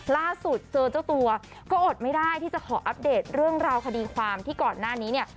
ล่าสุดเจอเจ้าตัวก็อดไม่ได้ที่จะขออัปเดตเรื่องราวคดีความที่ก่อนหน้านี้เนี่ย